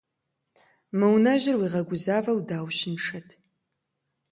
Мы унэжьыр уигъэгузавэу даущыншэт.